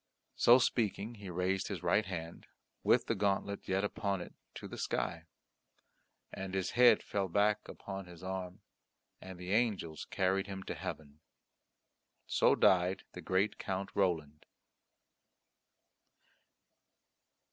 So speaking he raised his right hand, with the gauntlet yet upon it, to the sky, and his head fell back upon his arm and the angels carried him to heaven. So died the great Count Roland.